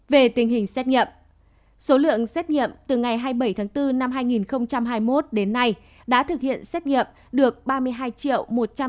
về tình hình xét nghiệm số lượng xét nghiệm từ ngày hai mươi bảy tháng bốn năm hai nghìn hai mươi một đến nay đã thực hiện xét nghiệm được ba mươi hai một trăm sáu mươi bảy trăm hai mươi mẫu